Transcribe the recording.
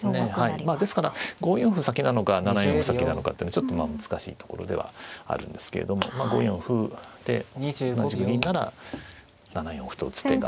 まあですから５四歩先なのか７四歩先なのかってのはちょっとまあ難しいところではあるんですけれどもまあ５四歩で同じく銀なら７四歩と打つ手が。